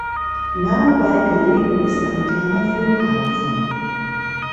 Nahe bei gelegen ist ein kleiner Flughafen.